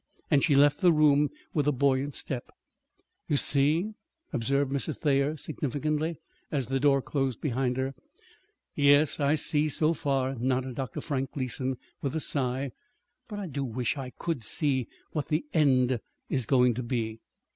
And she left the room with buoyant step. "You see," observed Mrs. Thayer significantly, as the door closed behind her. "Yes, I see so far," nodded Dr. Frank Gleason with a sigh. "But I do wish I could see what the end is going to be."